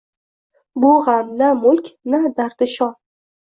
Bu g’am — na mulk, na dardi shon